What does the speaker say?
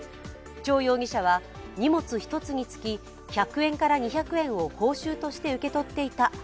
張容疑者は荷物１つにつき１００円から２００円を報酬として受け取っていた。